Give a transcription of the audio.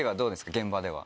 現場では。